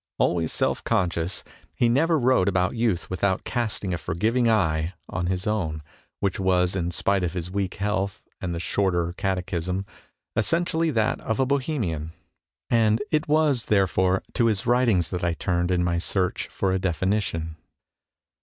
Always self conscious, he never wrote about youth without casting a forgiving eye on his own, which was, in spite of his weak health and the Shorter Cate chism, essentially that of a Bohemian. And it was, therefore, to his writings that I turned in my search for a definition.